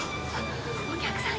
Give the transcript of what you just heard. お客さん